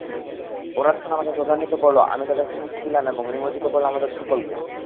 যখন ওরা আমাকে ক্রোধান্বিত করল আমি তাদেরকে শাস্তি দিলাম এবং নিমজ্জিত করলাম ওদের সকলকে।